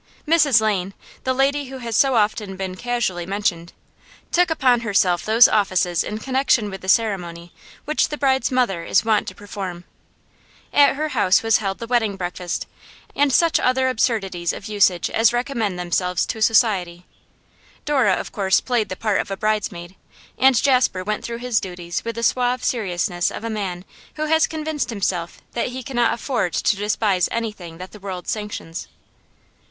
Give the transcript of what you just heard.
Mrs Lane, the lady who has so often been casually mentioned, took upon herself those offices in connection with the ceremony which the bride's mother is wont to perform; at her house was held the wedding breakfast, and such other absurdities of usage as recommend themselves to Society. Dora of course played the part of a bridesmaid, and Jasper went through his duties with the suave seriousness of a man who has convinced himself that he cannot afford to despise anything that the world sanctions.